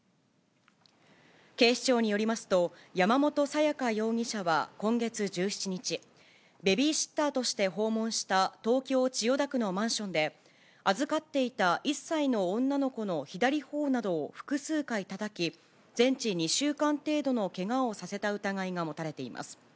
警視庁によりますと、山本さや香容疑者は今月１７日、ベビーシッターとして訪問した東京・千代田区のマンションで、預かっていた１歳の女の子の左ほおなどを複数回たたき、全治２週間程度のけがをさせた疑いが持たれています。